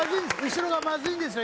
後ろがまずいんですよ